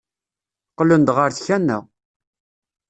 Qqlen-d ɣer tkanna.